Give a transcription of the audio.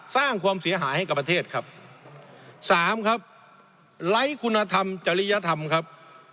สร้างความเสียหายให้กับประเทศครับสามครับไร้คุณธรรมจริยธรรมครับ